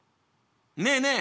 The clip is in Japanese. ねえねえ